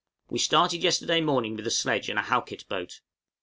We started yesterday morning with a sledge and a Halkett boat.